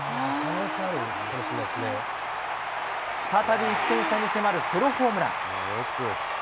再び１点差に迫るソロホームラン。